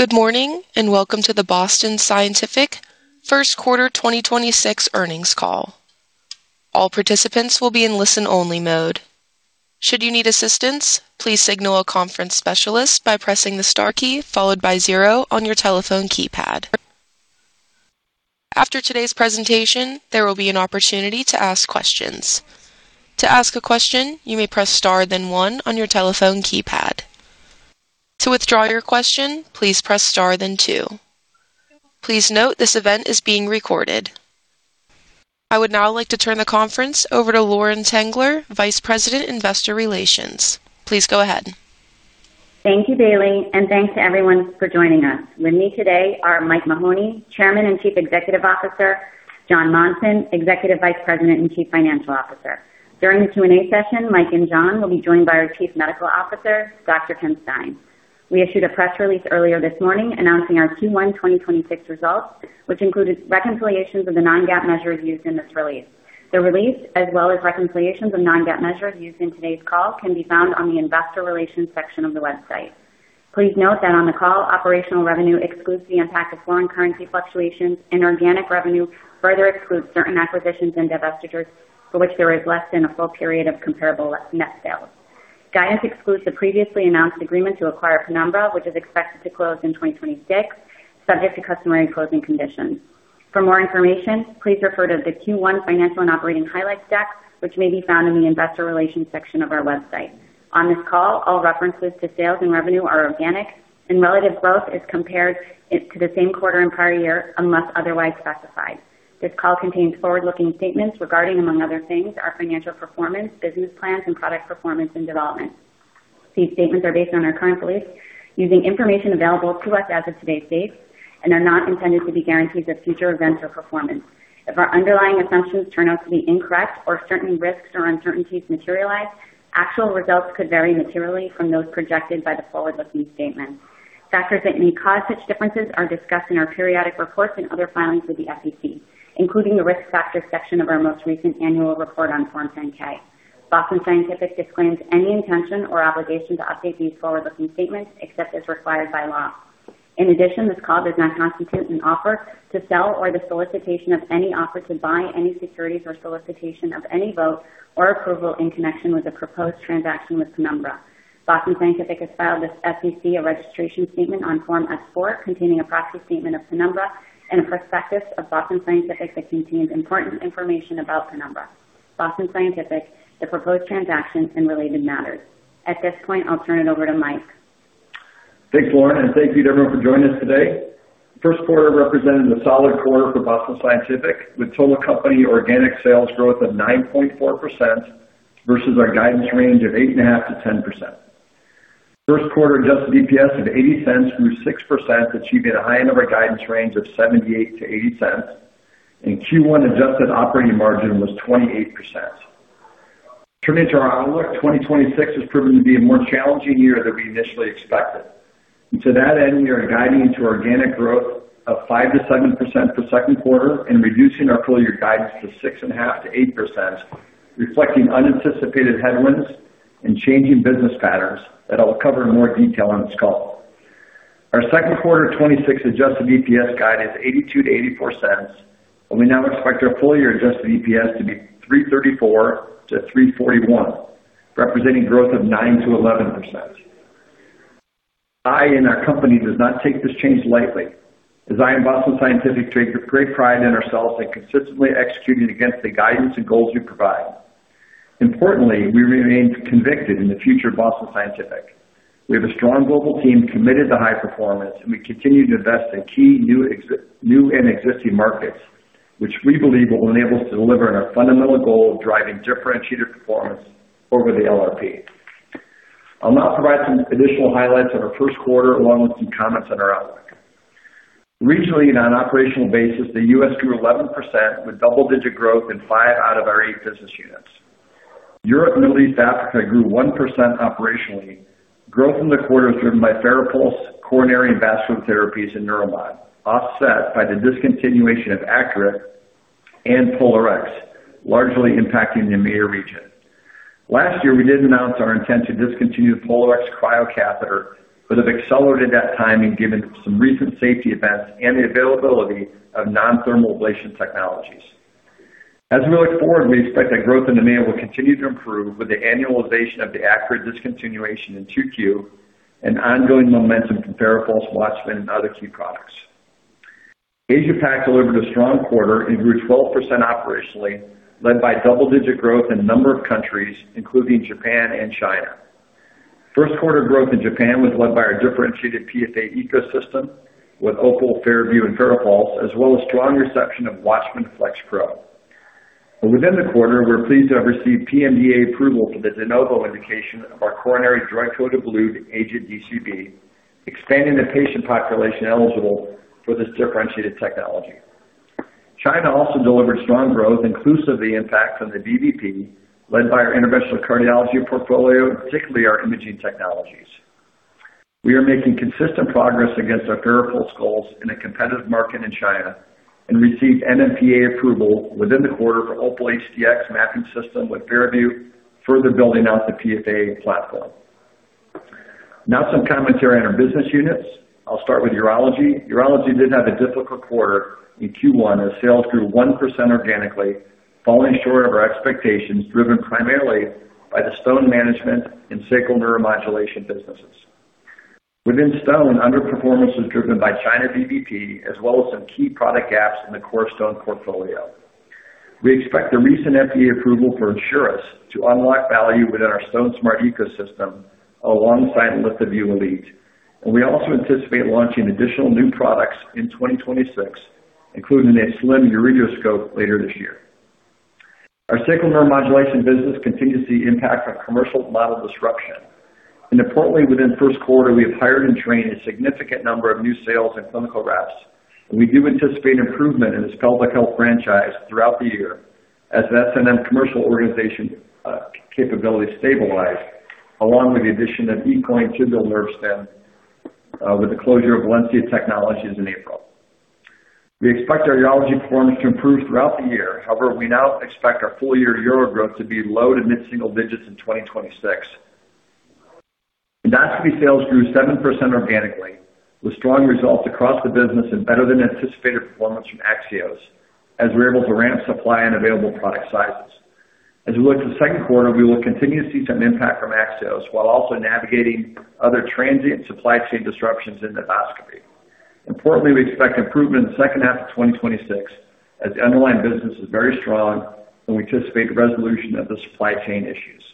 Good morning, and welcome to the Boston Scientific First Quarter 2026 earnings call. All participants will be in listen-only mode. Should you need assistance, please signal a conference specialist by pressing the star key followed by zero on your telephone keypad. After today's presentation, there will be an opportunity to ask questions. To ask a question, you may press star then one on your telephone keypad. To withdraw your question, please press star then two. Please note this event is being recorded. I would now like to turn the conference over to Lauren Tengler, Vice President, Investor Relations. Please go ahead. Thank you, Bailey. Thanks to everyone for joining us. With me today are Mike Mahoney, Chairman and Chief Executive Officer, Jon Monson, Executive Vice President and Chief Financial Officer. During the Q&A session, Mike and Jon will be joined by our Chief Medical Officer, Dr. Ken Stein. We issued a press release earlier this morning announcing our Q1 2026 results, which included reconciliations of the non-GAAP measures used in this release. The release, as well as reconciliations of non-GAAP measures used in today's call, can be found on the investor relations section of the website. Please note that on the call, operational revenue excludes the impact of foreign currency fluctuations, and organic revenue further excludes certain acquisitions and divestitures for which there is less than a full period of comparable net sales. Guidance excludes the previously announced agreement to acquire Penumbra, which is expected to close in 2026, subject to customary closing conditions. For more information, please refer to the Q1 financial and operating highlights deck, which may be found in the Investor Relations section of our website. On this call, all references to sales and revenue are organic, and relative growth is compared to the same quarter and prior year, unless otherwise specified. This call contains forward-looking statements regarding, among other things, our financial performance, business plans, and product performance and development. These statements are based on our current beliefs, using information available to us as of today's date, and are not intended to be guarantees of future events or performance. If our underlying assumptions turn out to be incorrect or certain risks or uncertainties materialize, actual results could vary materially from those projected by the forward-looking statements. Factors that may cause such differences are discussed in our periodic reports and other filings with the SEC, including the Risk Factors section of our most recent annual report on Form 10-K. Boston Scientific disclaims any intention or obligation to update these forward-looking statements except as required by law. In addition, this call does not constitute an offer to sell or the solicitation of any offer to buy any securities or solicitation of any vote or approval in connection with the proposed transaction with Penumbra. Boston Scientific has filed with the SEC a registration statement on Form S-4, containing a proxy statement of Penumbra and a prospectus of Boston Scientific that contains important information about Penumbra, Boston Scientific, the proposed transactions, and related matters. At this point, I'll turn it over to Mike. Thanks, Lauren, and thank you to everyone for joining us today. First quarter represented a solid quarter for Boston Scientific, with total company organic sales growth of 9.4% versus our guidance range of 8.5%-10%. First quarter adjusted EPS of $0.80 grew 6%, achieving the high end of our guidance range of $0.78-$0.80, and Q1 adjusted operating margin was 28%. Turning to our outlook, 2024 has proven to be a more challenging year than we initially expected. To that end, we are guiding to organic growth of 5%-7% for second quarter and reducing our full-year guidance to 6.5%-8%, reflecting unanticipated headwinds and changing business patterns that I will cover in more detail on this call. Our second quarter 2026 adjusted EPS guide is $0.82-$0.84, and we now expect our full-year adjusted EPS to be $3.34-$3.41, representing growth of 9%-11%. I and our company does not take this change lightly. As I and Boston Scientific take great pride in ourselves in consistently executing against the guidance and goals we provide. Importantly, we remain convinced in the future of Boston Scientific. We have a strong global team committed to high performance, and we continue to invest in key new and existing markets, which we believe will enable us to deliver on our fundamental goal of driving differentiated performance over the LRP. I'll now provide some additional highlights on our first quarter, along with some comments on our outlook. Regionally and on an operational basis, the U.S. grew 11% with double-digit growth in five out of our eight business units. Europe, Middle East, Africa grew 1% operationally. Growth in the quarter was driven by FARAPULSE, Coronary and Vascular therapies, and Neuromod, offset by the discontinuation of ACURATE and PolarX, largely impacting the EMEA region. Last year, we did announce our intent to discontinue the PolarX cryocatheter but have accelerated that timing given some recent safety events and the availability of non-thermal ablation technologies. As we look forward, we expect that growth in the EMEA will continue to improve with the annualization of the ACURATE discontinuation in 2Q and ongoing momentum from FARAPULSE, WATCHMAN, and other key products. Asia-Pac delivered a strong quarter and grew 12% operationally, led by double-digit growth in a number of countries, including Japan and China. First quarter growth in Japan was led by our differentiated PFA ecosystem with OPAL, FARAVIEW, and FARAPULSE, as well as strong reception of WATCHMAN FLX Pro. Within the quarter, we're pleased to have received PMDA approval for the de novo indication of our coronary drug-coated balloon, AGENT DCB, expanding the patient population eligible for this differentiated technology. China also delivered strong growth inclusive of the impact from the VBP, led by our interventional cardiology portfolio, and particularly our imaging technologies. We are making consistent progress against our FARAPULSE goals in a competitive market in China and received NMPA approval within the quarter for OPAL HDx Mapping System with FARAVIEW, further building out the PFA platform. Now some commentary on our business units. I'll start with Urology. Urology did have a difficult quarter in Q1 as sales grew 1% organically, falling short of our expectations, driven primarily by the stone management and sacral neuromodulation businesses. Within stone, underperformance was driven by China VBP, as well as some key product gaps in the core stone portfolio. We expect the recent FDA approval for Asurys to unlock value within our StoneSmart ecosystem alongside LithoVue Elite. We also anticipate launching additional new products in 2026, including a slim ureteroscope later this year. Our sacral neuromodulation business continued to see impact from commercial model disruption. Importantly, within the first quarter, we have hired and trained a significant number of new sales and clinical reps, and we do anticipate improvement in this pelvic health franchise throughout the year as the SNM commercial organization capability stabilize, along with the addition of eCoin tibial nerve stim with the closure of Valencia Technologies in April. We expect our urology performance to improve throughout the year. However, we now expect our full-year urology growth to be low- to mid-single digits in 2026. Endoscopy sales grew 7% organically, with strong results across the business and better-than-anticipated performance from AXIOS, as we're able to ramp supply and available product sizes. As we look to the second quarter, we will continue to see some impact from AXIOS while also navigating other transient supply chain disruptions in Endoscopy. Importantly, we expect improvement in the second half of 2026 as the underlying business is very strong, and we anticipate resolution of the supply chain issues.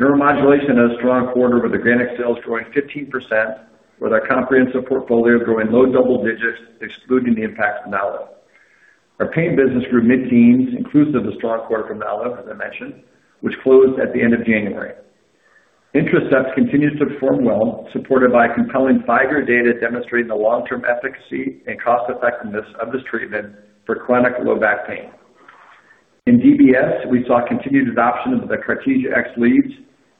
Neuromodulation had a strong quarter with organic sales growing 15%, with our comprehensive portfolio growing low double digits, excluding the impact of Nalu. Our pain business grew mid-teens, inclusive of strong quarter from Nalu, as I mentioned, which closed at the end of January. Intracept continues to perform well, supported by compelling five-year data demonstrating the long-term efficacy and cost-effectiveness of this treatment for chronic low back pain. In DBS, we saw continued adoption of the Cartesia X leads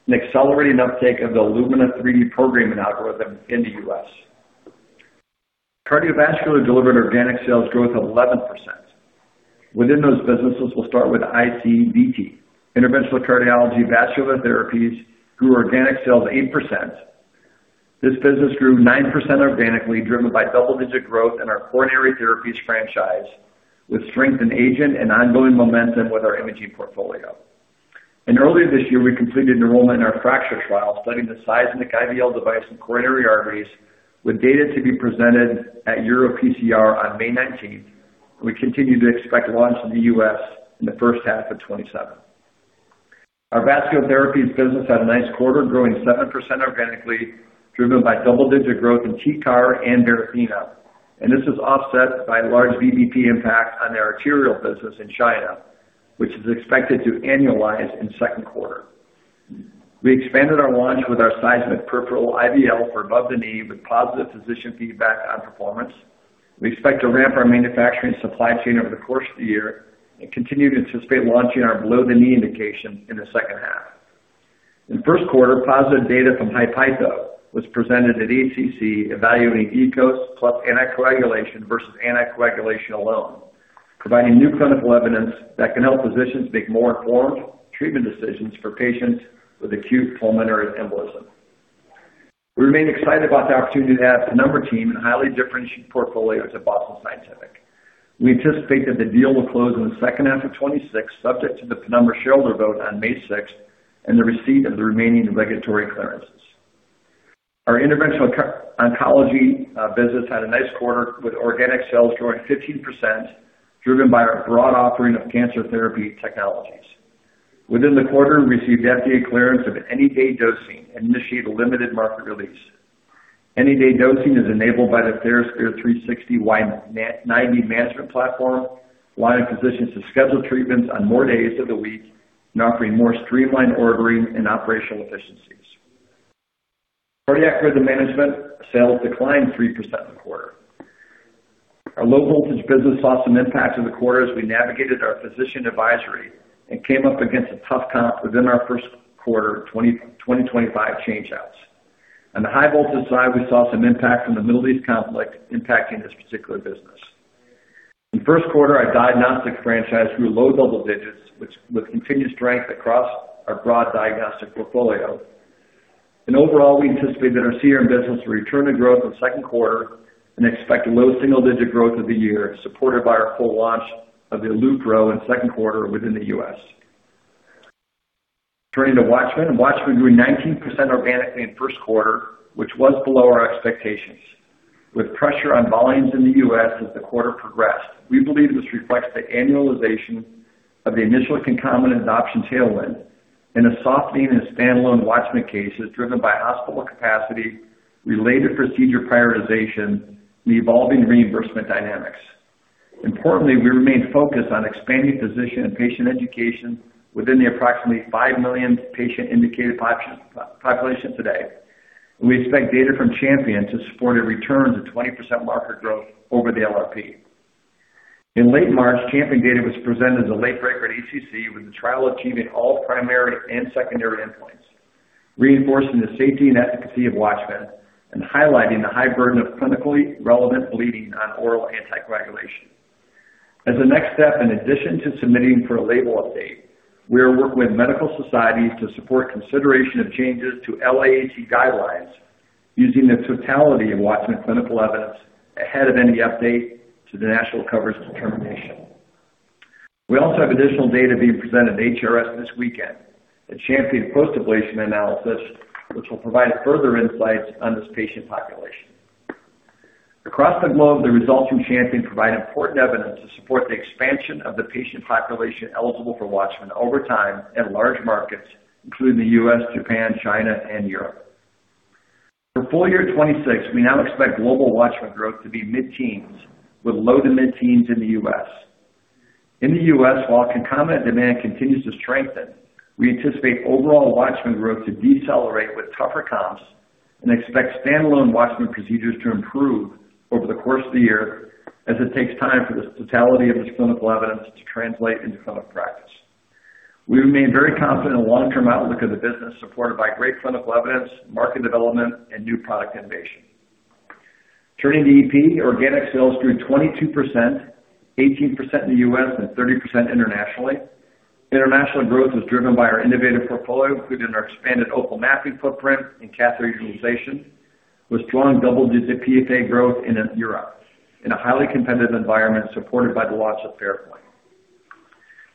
and accelerating uptake of the Illumina 3D programming algorithm in the U.S. Cardiovascular delivered organic sales growth of 11%. Within those businesses, we'll start with ICVT. Interventional Cardiology Vascular Therapies grew organic sales 8%. This business grew 9% organically, driven by double-digit growth in our coronary therapies franchise, with strength in AGENT and ongoing momentum with our imaging portfolio. Earlier this year, we completed enrollment in our FRACTURE trial, studying the size of the IVL device in coronary arteries, with data to be presented at EuroPCR on May 19th. We continue to expect launch in the U.S. in the first half of 2027. Our Vascular Therapies business had a nice quarter, growing 7% organically, driven by double-digit growth in TCAR and Varithena, and this is offset by large VBP impact on their arterial business in China, which is expected to annualize in second quarter. We expanded our launch with our size of peripheral IVL for above the knee with positive physician feedback on performance. We expect to ramp our manufacturing supply chain over the course of the year and continue to anticipate launching our below-the-knee indication in the second half. In the first quarter, positive data from HI-PEITHO was presented at ACC evaluating EKOS plus anticoagulation versus anticoagulation alone, providing new clinical evidence that can help physicians make more informed treatment decisions for patients with acute pulmonary embolism. We remain excited about the opportunity to add Penumbra team and highly differentiated portfolio to Boston Scientific. We anticipate that the deal will close in the second half of 2026, subject to the Penumbra shareholder vote on May 6th and the receipt of the remaining regulatory clearances. Our interventional oncology business had a nice quarter, with organic sales growing 15%, driven by our broad offering of cancer therapy technologies. Within the quarter, we received FDA clearance of Any Day Dosing and initiated a limited market release. Any day dosing is enabled by the TheraSphere 360 Y-90 management platform, allowing physicians to schedule treatments on more days of the week and offering more streamlined ordering and operational efficiencies. Cardiac rhythm management sales declined 3% in the quarter. Our low voltage business saw some impact in the quarter as we navigated our physician advisory and came up against a tough comp within our first quarter 2025 change outs. On the high voltage side, we saw some impact from the Middle East conflict impacting this particular business. In the first quarter, our diagnostics franchise grew low double digits with continued strength across our broad diagnostic portfolio. Overall, we anticipate that our CRM business will return to growth in the second quarter and expect low single-digit growth of the year, supported by our full launch of the EluPro in the second quarter within the U.S. Turning to WATCHMAN. WATCHMAN grew 19% organically in the first quarter, which was below our expectations, with pressure on volumes in the U.S. as the quarter progressed. We believe this reflects the annualization of the initial concomitant adoption tailwind and a softening in standalone WATCHMAN cases driven by hospital capacity, related procedure prioritization, and evolving reimbursement dynamics. Importantly, we remain focused on expanding physician and patient education within the approximately 5 million patient indicated population today. We expect data from CHAMPION-AF to support a return to 20% market growth over the LRP. In late March, CHAMPION-AF data was presented as a late breaker at ACC, with the trial achieving all primary and secondary endpoints, reinforcing the safety and efficacy of WATCHMAN and highlighting the high burden of clinically relevant bleeding on oral anticoagulation. As a next step, in addition to submitting for a label update, we are working with medical societies to support consideration of changes to LAAC guidelines using the totality of WATCHMAN clinical evidence ahead of any update to the national coverage determination. We also have additional data being presented at HRS this weekend, the CHAMPION-AF post-ablation analysis, which will provide further insights on this patient population. Across the globe, the results from CHAMPION-AF provide important evidence to support the expansion of the patient population eligible for WATCHMAN over time in large markets including the U.S., Japan, China, and Europe. For full year 2026, we now expect global WATCHMAN growth to be mid-teens with low to mid-teens in the U.S. In the U.S., while concomitant demand continues to strengthen, we anticipate overall WATCHMAN growth to decelerate with tougher comps and expect standalone WATCHMAN procedures to improve over the course of the year as it takes time for the totality of this clinical evidence to translate into clinical practice. We remain very confident in the long-term outlook of the business, supported by great clinical evidence, market development, and new product innovation. Turning to EP, organic sales grew 22%, 18% in the U.S., and 30% internationally. International growth was driven by our innovative portfolio, including our expanded OPAL mapping footprint and catheter utilization, with strong double-digit PFA growth in Europe in a highly competitive environment supported by the launch of FARAPOINT.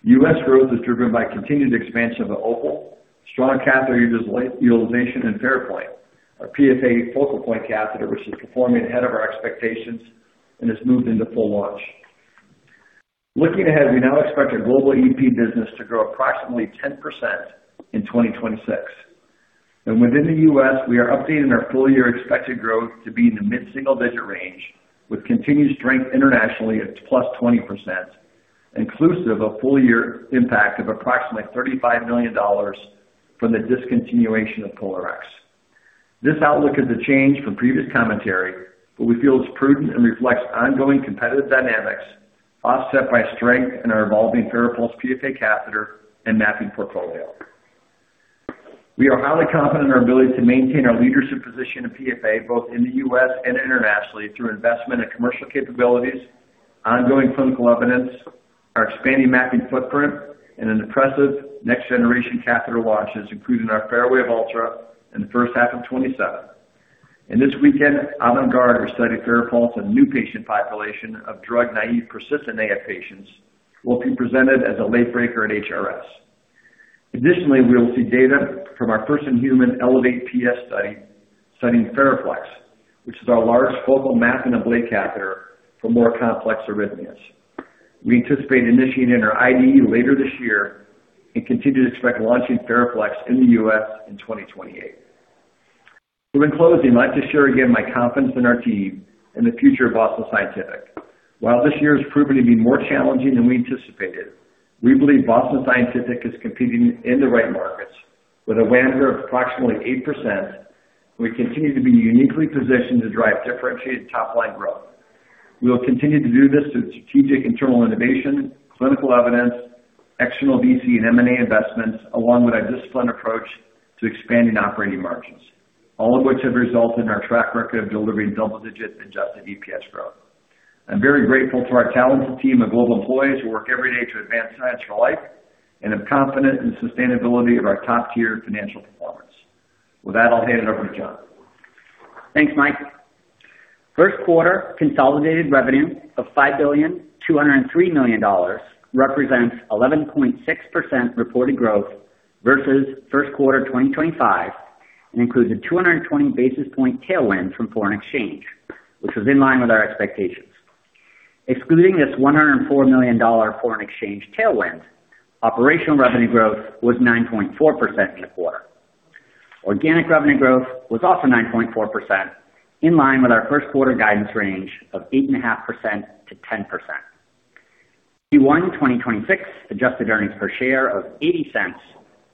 U.S. growth was driven by continued expansion of the OPAL, strong catheter utilization, and FARAPOINT, our PFA focal point catheter, which is performing ahead of our expectations and has moved into full launch. Looking ahead, we now expect our global EP business to grow approximately 10% in 2026. Within the U.S., we are updating our full year expected growth to be in the mid-single digit range, with continued strength internationally at +20%, inclusive of full year impact of approximately $35 million from the discontinuation of PolarX. This outlook is a change from previous commentary, but we feel it's prudent and reflects ongoing competitive dynamics offset by strength in our evolving FARAPULSE PFA catheter and mapping portfolio. We are highly confident in our ability to maintain our leadership position in PFA, both in the U.S. and internationally, through investment in commercial capabilities, ongoing clinical evidence, our expanding mapping footprint, and an impressive next generation catheter launch that's included in our FARAWAVE ULTRA in the first half of 2027. This weekend, AVANT GUARD study FARAPULSE in new patient population of drug-naive persistent AF patients will be presented as a late breaker at HRS. Additionally, we will see data from our first human ELEVATE-PF study studying FARAFLEX, which is our large focal map and ablate catheter for more complex arrhythmias. We anticipate initiating our IDE later this year and continue to expect launching FARAFLEX in the U.S. in 2028. In closing, I'd like to share again my confidence in our team and the future of Boston Scientific. While this year has proven to be more challenging than we anticipated, we believe Boston Scientific is competing in the right markets with a WAMGR of approximately 8%, and we continue to be uniquely positioned to drive differentiated top-line growth. We will continue to do this through strategic internal innovation, clinical evidence, external VC, and M&A investments, along with our disciplined approach to expanding operating margins. All of which have resulted in our track record of delivering double-digit adjusted EPS growth. I'm very grateful to our talented team of global employees who work every day to advance science for life, and I'm confident in the sustainability of our top-tier financial performance. With that, I'll hand it over to Jon. Thanks, Mike. First quarter consolidated revenue of $5.203 billion represents 11.6% reported growth versus first quarter 2025 and includes a 220 basis point tailwind from foreign exchange, which was in line with our expectations. Excluding this $104 million foreign exchange tailwind, operational revenue growth was 9.4% in the quarter. Organic revenue growth was also 9.4%, in line with our first quarter guidance range of 8.5%-10%. Q1 2026 adjusted earnings per share of $0.80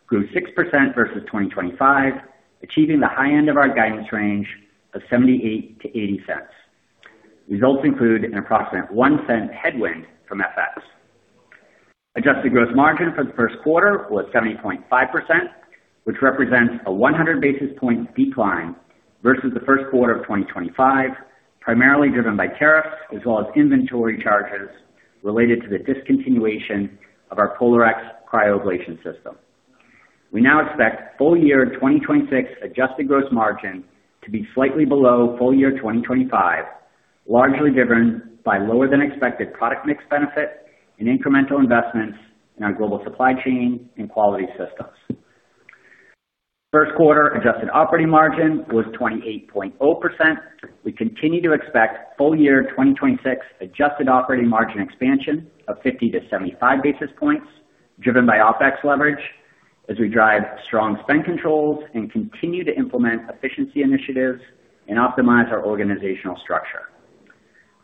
grew 6% versus 2025, achieving the high end of our guidance range of $0.78-$0.80. Results include an approximate $0.01 headwind from FX. Adjusted gross margin for the first quarter was 70.5%, which represents a 100 basis point decline versus the first quarter of 2025, primarily driven by tariffs as well as inventory charges related to the discontinuation of our PolarX cryoablation system. We now expect full year 2026 adjusted gross margin to be slightly below full year 2025, largely driven by lower than expected product mix benefit and incremental investments in our global supply chain and quality systems. First quarter adjusted operating margin was 28.0%. We continue to expect full year 2026 adjusted operating margin expansion of 50 basis points-75 basis points driven by OpEx leverage as we drive strong spend controls and continue to implement efficiency initiatives and optimize our organizational structure.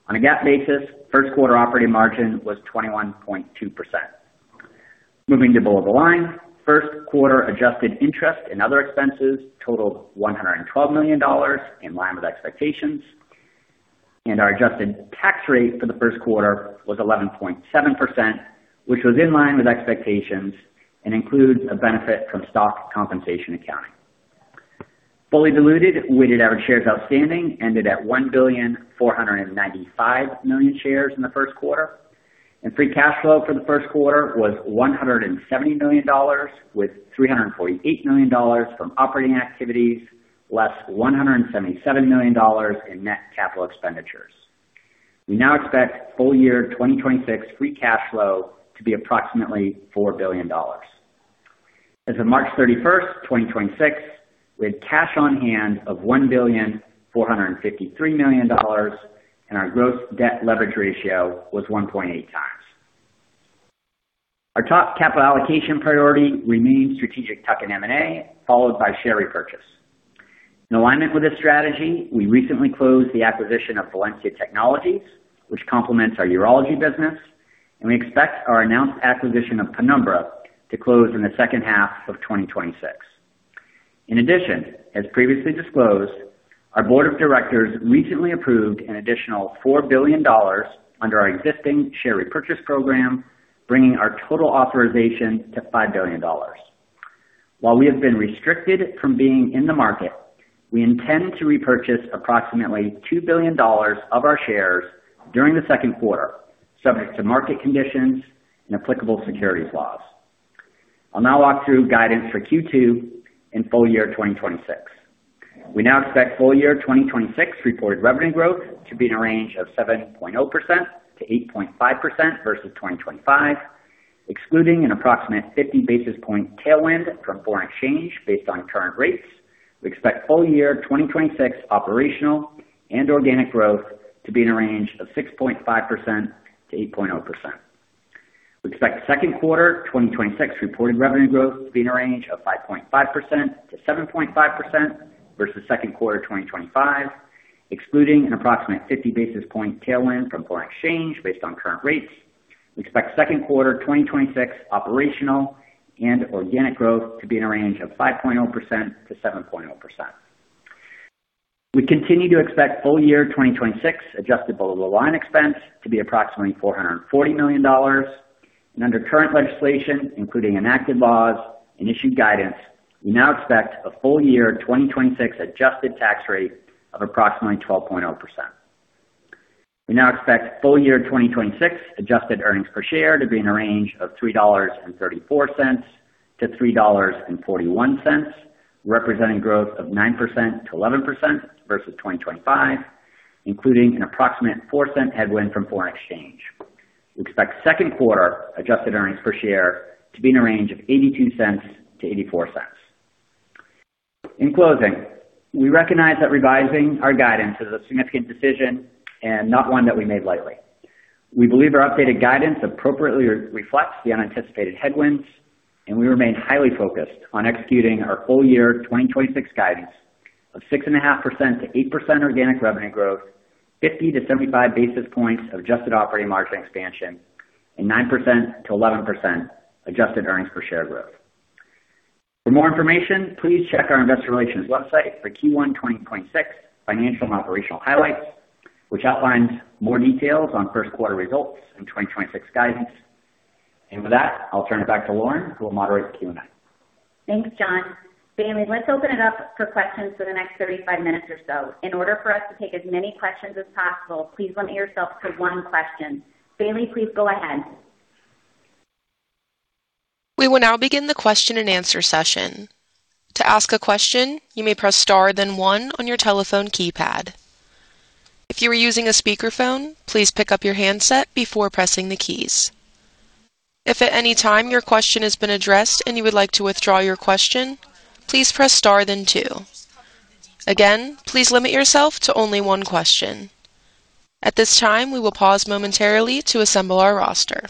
On a GAAP basis, first quarter operating margin was 21.2%. Moving to below the line. First quarter adjusted interest and other expenses totaled $112 million, in line with expectations, and our adjusted tax rate for the first quarter was 11.7%, which was in line with expectations and includes a benefit from stock compensation accounting. Fully diluted, weighted average shares outstanding ended at 1.495 billion shares in the first quarter, and free cash flow for the first quarter was $170 million, with $348 million from operating activities, less $177 million in net capital expenditures. We now expect full year 2026 free cash flow to be approximately $4 billion. As of March 31st, 2026, we had cash on hand of $1.453 billion and our gross debt leverage ratio was 1.8x. Our top capital allocation priority remains strategic tuck-in M&A, followed by share repurchase. In alignment with this strategy, we recently closed the acquisition of Valencia Technologies, which complements our urology business, and we expect our announced acquisition of Penumbra to close in the second half of 2026. In addition, as previously disclosed, our board of directors recently approved an additional $4 billion under our existing share repurchase program, bringing our total authorization to $5 billion. While we have been restricted from being in the market, we intend to repurchase approximately $2 billion of our shares during the second quarter, subject to market conditions and applicable securities laws. I'll now walk through guidance for Q2 and full year 2026. We now expect full year 2026 reported revenue growth to be in a range of 7.0%-8.5% versus 2025, excluding an approximate 50 basis points tailwind from foreign exchange based on current rates. We expect full year 2026 operational and organic growth to be in a range of 6.5%-8.0%. We expect second quarter 2026 reported revenue growth to be in a range of 5.5%-7.5% versus second quarter 2025, excluding an approximate 50 basis point tailwind from foreign exchange based on current rates. We expect second quarter 2026 operational and organic growth to be in a range of 5.0%-7.0%. We continue to expect full year 2026 adjusted below-the-line expense to be approximately $440 million. Under current legislation, including enacted laws and issued guidance, we now expect a full year 2026 adjusted tax rate of approximately 12.0%. We now expect full year 2026 adjusted earnings per share to be in a range of $3.34-$3.41, representing growth of 9%-11% versus 2025, including an approximate $0.04 headwind from foreign exchange. We expect second quarter adjusted earnings per share to be in a range of $0.82-$0.84. In closing, we recognize that revising our guidance is a significant decision and not one that we made lightly. We believe our updated guidance appropriately reflects the unanticipated headwinds, and we remain highly focused on executing our full year 2026 guidance of 6.5%-8% organic revenue growth, 50 basis points-75 basis points of adjusted operating margin expansion, and 9%-11% adjusted earnings per share growth. For more information, please check our investor relations website for Q1 2026 financial and operational highlights, which outlines more details on first quarter results and 2026 guidance. With that, I'll turn it back to Lauren, who will moderate the Q&A. Thanks, Jon. Bailey, let's open it up for questions for the next 35 minutes or so. In order for us to take as many questions as possible, please limit yourself to one question. Bailey, please go ahead. We will now begin the question and answer session. To ask a question, you may press star then one on your telephone keypad. If you are using a speakerphone, please pick up your handset before pressing the keys. If at any time your question has been addressed and you would like to withdraw your question, please press star then two. Again, please limit yourself to only one question. At this time, we will pause momentarily to assemble our roster.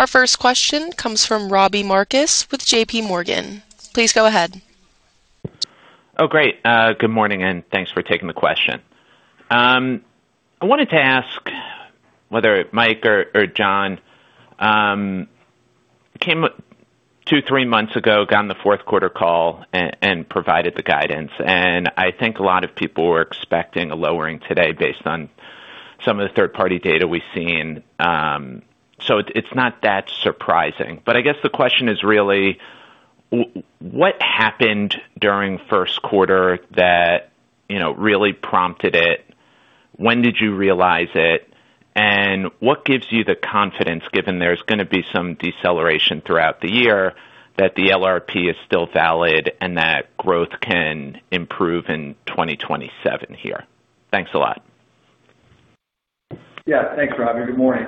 Our first question comes from Robbie Marcus with JPMorgan. Please go ahead. Oh, great. Good morning, and thanks for taking the question. I wanted to ask whether Mike or Jon, two, three months ago, got on the fourth quarter call and provided the guidance, and I think a lot of people were expecting a lowering today based on some of the third-party data we've seen. It's not that surprising, but I guess the question is really what happened during first quarter that really prompted it? When did you realize it? What gives you the confidence, given there's going to be some deceleration throughout the year, that the LRP is still valid and that growth can improve in 2027 here? Thanks a lot. Yeah. Thanks, Robbie. Good morning.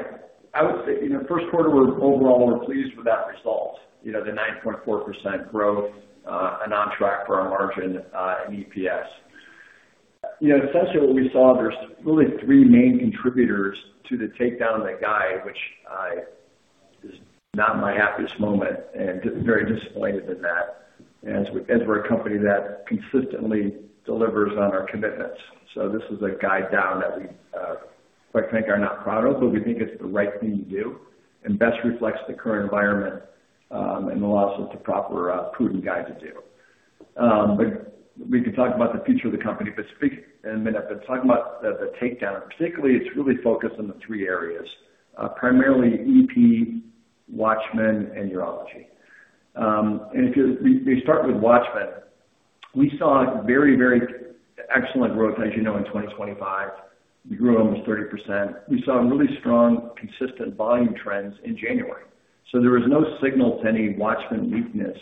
I would say first quarter overall, we're pleased with that result. The 9.4% growth and on track for our margin and EPS. Essentially what we saw, there's really three main contributors to the takedown in that guidance, which is not my happiest moment and I am very disappointed in that, as we're a company that consistently delivers on our commitments. This is a guidance down that we quite frankly are not proud of, but we think it's the right thing to do and best reflects the current environment, and allows us to provide the proper prudent guidance. We can talk about the future of the company in a minute. Talking about the takedown, and particularly, it's really focused on the three areas, primarily EP, WATCHMAN, and Urology. If you start with WATCHMAN, we saw very excellent growth, as you know, in 2025. We grew almost 30%. We saw really strong consistent volume trends in January. There was no signal to any WATCHMAN weakness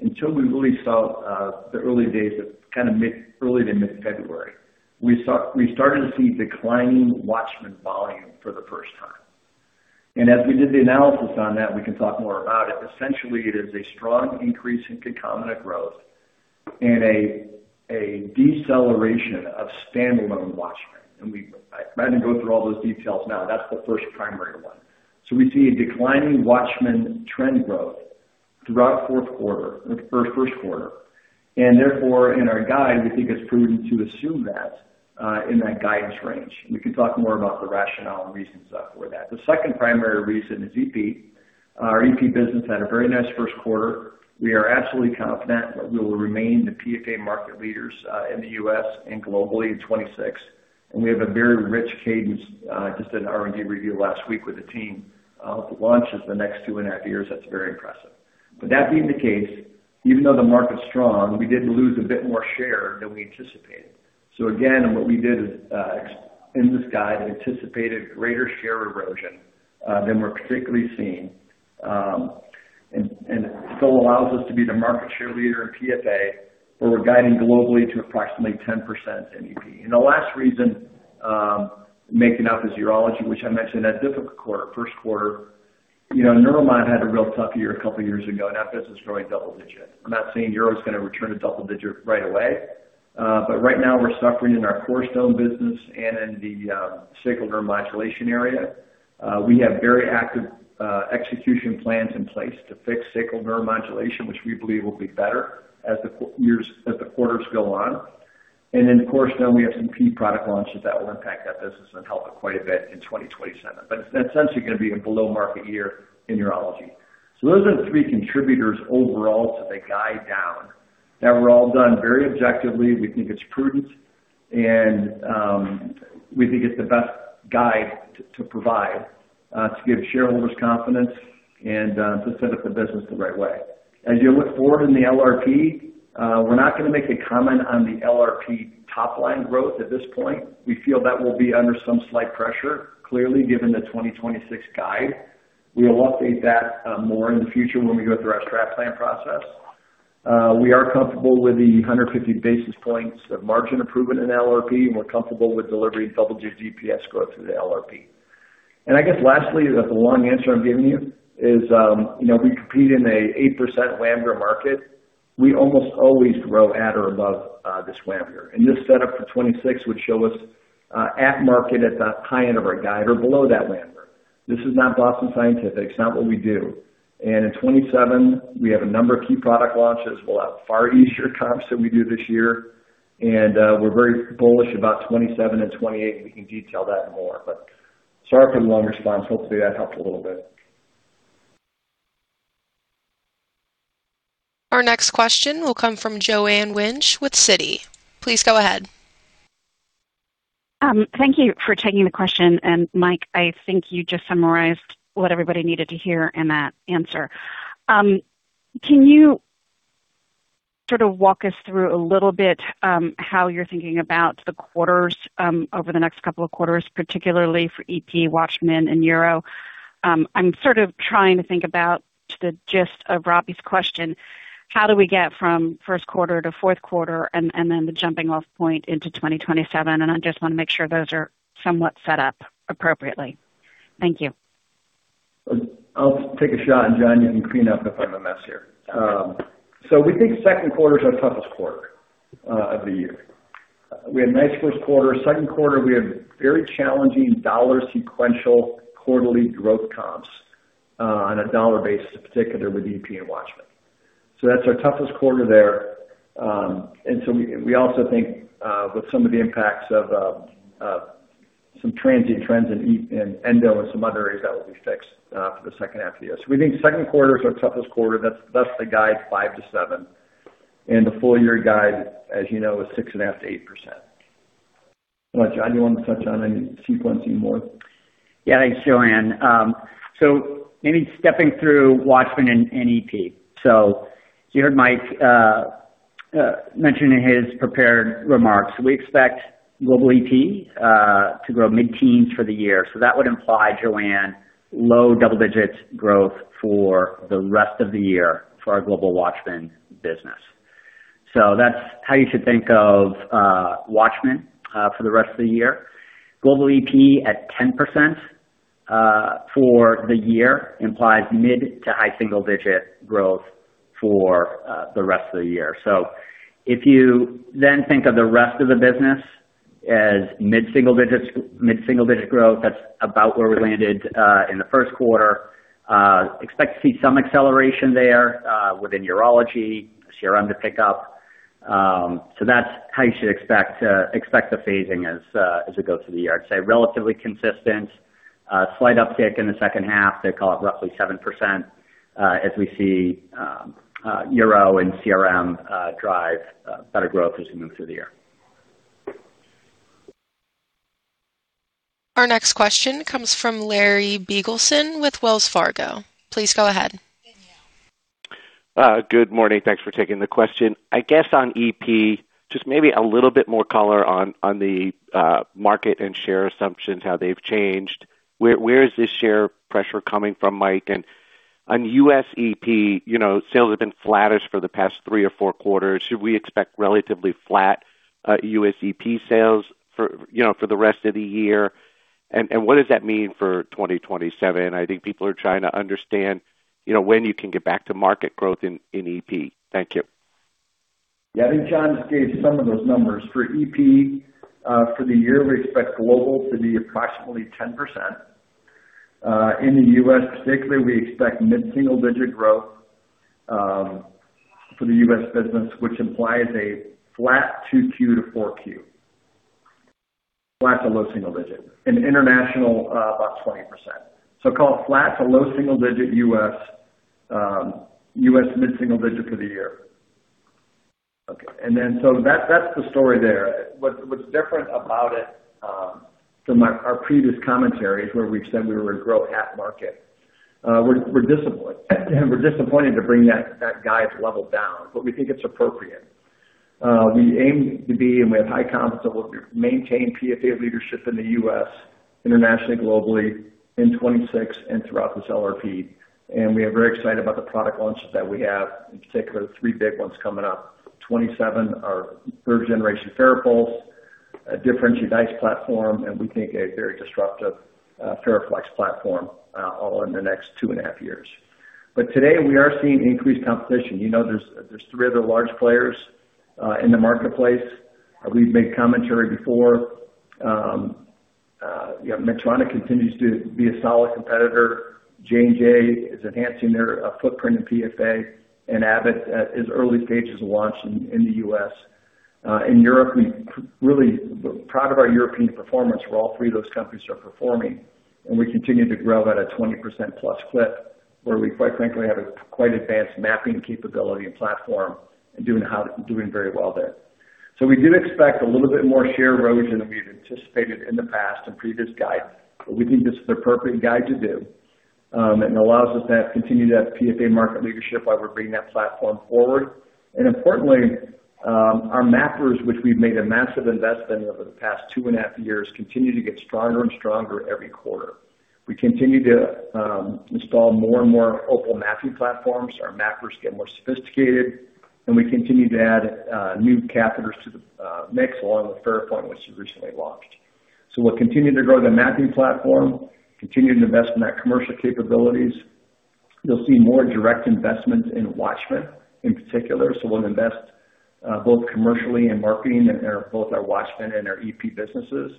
until we really saw the early days of mid-February. We started to see declining WATCHMAN volume for the first time. As we did the analysis on that, we can talk more about it. Essentially, it is a strong increase in concomitant growth and a deceleration of standalone WATCHMAN. I'd rather go through all those details now. That's the first primary one. We see a declining WATCHMAN trend growth throughout first quarter. Therefore, in our guide, we think it's prudent to assume that in that guidance range. We can talk more about the rationale and reasons for that. The second primary reason is EP. Our EP business had a very nice first quarter. We are absolutely confident that we will remain the PFA market leaders in the U.S. and globally in 2026. We have a very rich cadence, just an R&D review last week with the team, of launches the next two and a half years that's very impressive. That being the case, even though the market's strong, we did lose a bit more share than we anticipated. Again, and what we did is, in this guide, anticipated greater share erosion than we're particularly seeing. It still allows us to be the market share leader in PFA, where we're guiding globally to approximately 10% in EP. The last reason making up is Urology, which I mentioned had a difficult first quarter. Neuromodulation had a real tough year a couple of years ago, and that business is growing double digits. I'm not saying Uro is going to return to double digits right away. Right now we're suffering in our core stone business and in the Sacral Nerve Modulation area. We have very active execution plans in place to fix Sacral Nerve Modulation, which we believe will be better as the quarters go on. Then core stone, we have some key product launches that will impact that business and help it quite a bit in 2027. It's essentially going to be a below-market year in Urology. Those are the three contributors overall to the guide down. That were all done very objectively. We think it's prudent, and we think it's the best guide to provide, to give shareholders confidence and to set up the business the right way. As you look forward in the LRP, we're not going to make a comment on the LRP top-line growth at this point. We feel that will be under some slight pressure, clearly, given the 2026 guide. We will update that more in the future when we go through our strategic plan process. We are comfortable with the 150 basis points of margin improvement in LRP, and we're comfortable with delivering double-digit EPS growth through the LRP. I guess lastly, that the long answer I'm giving you is, we compete in an 8% WAMGR market. We almost always grow at or above this WAMGR. This set up for 2026 would show us at market at the high end of our guide or below that WAMGR. This is not Boston Scientific. It's not what we do. In 2027, we have a number of key product launches. We'll have far easier comps than we do this year. We're very bullish about 2027 and 2028, and we can detail that more. Sorry for the long response. Hopefully, that helped a little bit. Our next question will come from Joanne Wuensch with Citi. Please go ahead. Thank you for taking the question. Mike, I think you just summarized what everybody needed to hear in that answer. Can you sort of walk us through a little bit, how you're thinking about the quarters over the next couple of quarters, particularly for EP, WATCHMAN, and Uro? I'm sort of trying to think about the gist of Robbie's question. How do we get from first quarter to fourth quarter and then the jumping off point into 2027? I just want to make sure those are somewhat set up appropriately. Thank you. I'll take a shot, and Jon, you can clean up if I'm a mess here. We think second quarter is our toughest quarter of the year. We had a nice first quarter. Second quarter, we have very challenging dollar sequential quarterly growth comps on a dollar basis, particularly with EP and WATCHMAN. That's our toughest quarter there. We also think, with some of the impacts of some transient trends in endo and some other areas, that will be fixed for the second half of the year. We think second quarter is our toughest quarter. Thus the guide 5%-7%. The full-year guide, as you know, is 6.5%-8%. Jon, do you want to touch on any sequencing more? Yeah. Thanks, Joanne. Maybe stepping through WATCHMAN and EP. You heard Mike mention in his prepared remarks, we expect global EP to grow mid-teens for the year. That would imply, Joanne, low double-digit growth for the rest of the year for our global WATCHMAN business. That's how you should think of WATCHMAN for the rest of the year. Global EP at 10% for the year implies mid to high single-digit growth for the rest of the year. If you then think of the rest of the business as mid-single digit growth, that's about where we landed in the first quarter. Expect to see some acceleration there within Urology, CRM to pick up. That's how you should expect the phasing as we go through the year. I'd say relatively consistent. A slight uptick in the second half. They call it roughly 7% as we see Uro and CRM drive better growth as we move through the year. Our next question comes from Larry Biegelsen with Wells Fargo. Please go ahead. Good morning. Thanks for taking the question. I guess on EP, just maybe a little bit more color on the market and share assumptions, how they've changed. Where is this share pressure coming from, Mike? On USEP, sales have been flattish for the past three or four quarters. Should we expect relatively flat USEP sales for the rest of the year? What does that mean for 2027? I think people are trying to understand when you can get back to market growth in EP. Thank you. Yeah, I think Jon just gave some of those numbers. For EP, for the year, we expect global to be approximately 10%. In the U.S. specifically, we expect mid-single digit growth, for the U.S. business, which implies a flat 2Q to 4Q. Flat to low single digit. In international, about 20%. Call it flat to low single digit U.S., mid-single digit for the year. Okay. That's the story there. What's different about it from our previous commentaries, where we said we would grow half market, we're disappointed to bring that guide level down, but we think it's appropriate. We aim to be, and we have high confidence that we'll maintain PFA leadership in the U.S., internationally, globally in 2026 and throughout this LRP. We are very excited about the product launches that we have, in particular, the three big ones coming up. In 2027, third generation FARAPULSE, a differentiated ICE platform, and we think a very disruptive FARAFLEX platform all in the next two and a half years. Today, we are seeing increased competition. There's three other large players in the marketplace. I believe we've made commentary before. Medtronic continues to be a solid competitor. JJ is enhancing their footprint in PFA, and Abbott is early stages of launch in the U.S. In Europe, we're really proud of our European performance, where all three of those countries are performing, and we continue to grow at a 20%+ clip, where we quite frankly, have a quite advanced mapping capability and platform and doing very well there. We do expect a little bit more share erosion than we've anticipated in the past and previous guides, but we think this is the appropriate guide to do, and allows us to continue to have PFA market leadership while we're bringing that platform forward. Importantly, our mappers, which we've made a massive investment over the past two and a half years, continue to get stronger and stronger every quarter. We continue to install more and more OPAL mapping platforms. Our mappers get more sophisticated, and we continue to add new catheters to the mix, along with FARAPOINT, which we recently launched. We'll continue to grow the mapping platform, continue to invest in that commercial capabilities. You'll see more direct investment in WATCHMAN, in particular, so we'll invest both commercially and marketing in both our WATCHMAN and our EP businesses.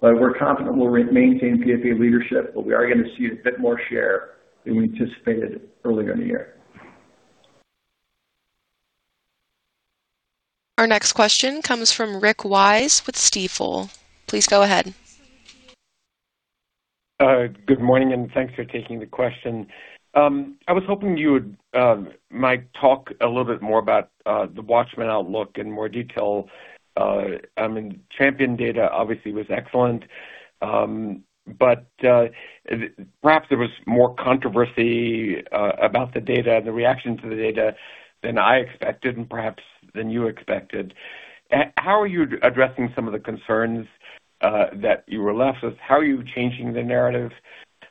We're confident we'll maintain PFA leadership, but we are going to see a bit more share than we anticipated earlier in the year. Our next question comes from Rick Wise with Stifel. Please go ahead. Good morning, and thanks for taking the question. I was hoping you would, Mike, talk a little bit more about the Watchman outlook in more detail. I mean, CHAMPION-AF data obviously was excellent. Perhaps there was more controversy about the data and the reaction to the data than I expected and perhaps than you expected. How are you addressing some of the concerns that you were left with? How are you changing the narrative